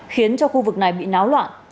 khiến cho khu vực này bị náo loạn